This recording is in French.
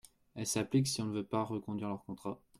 Elle s’applique si on ne veut pas reconduire leur contrat.